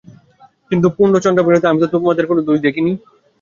কিন্তু পূর্ণচন্দ্রনিভাননাতে আমি তো দোষের কিছু দেখি নি।